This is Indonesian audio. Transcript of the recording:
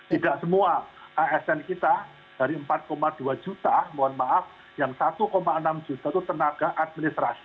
tidak semua asn kita dari empat dua juta mohon maaf yang satu enam juta itu tenaga administrasi